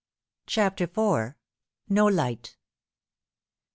CHAPTER IV. NO LIGHT.